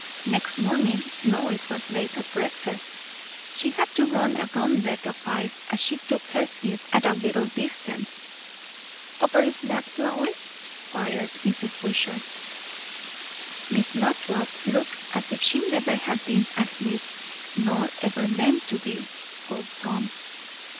Next morning Lois was late at breakfast; she had to run a gauntlet of eyes, as she took her seat at a little distance. "Overslept, Lois?" queried Mrs. Wishart. "Miss Lothrop looks as if she never had been asleep, nor ever meant to be," quoth Tom.